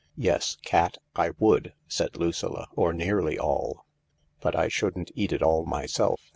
"Yes, cat, I would," said Lucilla— "or nearly all. But I shouldn't eat it all myself.